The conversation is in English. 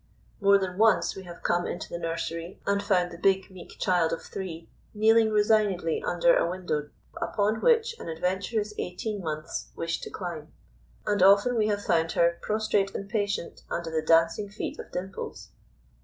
More than once we have come into the nursery and found the big, meek child of three kneeling resignedly under a window upon which an adventurous eighteen months wished to climb; and often we have found her prostrate and patient under the dancing feet of Dimples.